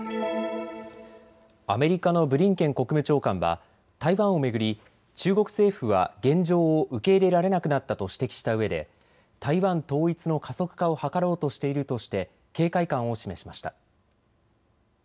アメリカのブリンケン国務長官は台湾を巡り中国政府は現状を受け入れられなくなったと指摘したうえで台湾統一の加速化を図ろうとしているとして警戒感を示しました。